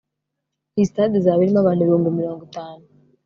iyi stade izaba irimo abantu ibihumbi mirongo itanu